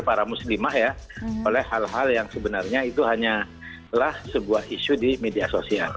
para muslimah ya oleh hal hal yang sebenarnya itu hanyalah sebuah isu di media sosial